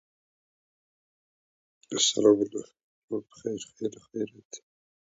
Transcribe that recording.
د الله تعالی شکر ادا کړئ چې د زده کړې توفیق یې درکړ.